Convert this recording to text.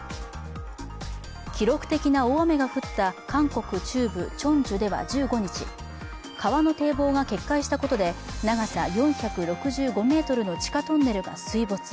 記録的な大雨が降った韓国中部チョンジュでは１５日、川の堤防が決壊したことで長さ４６５ｍの地下トンネルが水没。